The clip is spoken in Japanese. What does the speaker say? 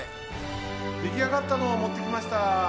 できあがったのをもってきました。